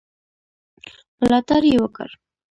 ملاتړ یې وکړ.